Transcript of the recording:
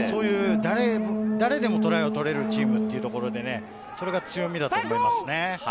誰でもトライを取れるチームというところで、それが強みだと思います。